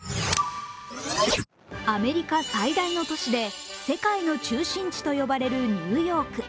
アメリカ最大の都市で世界の中心地と呼ばれるニューヨーク。